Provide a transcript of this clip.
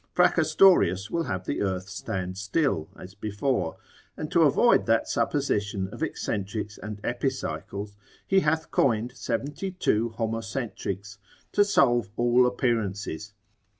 Fracastorius will have the earth stand still, as before; and to avoid that supposition of eccentrics and epicycles, he hath coined seventy two homocentrics, to solve all appearances.